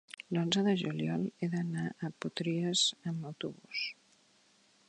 L'onze de juliol he d'anar a Potries amb autobús.